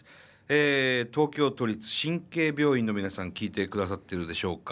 え東京都立神経病院の皆さん聴いてくださってるでしょうか？